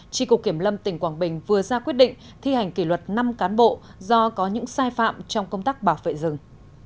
tri cục kiểm lâm tỉnh quảng bình vừa ra quyết định thi hành kỷ luật năm cán bộ do có những sai phạm trong công tác bảo vệ rừng